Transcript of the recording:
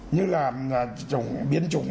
như là biến chủng